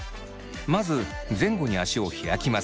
まず前後に足を開きます。